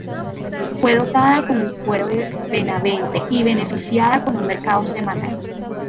Fue dotada con el fuero de Benavente y beneficiada con un mercado semanal.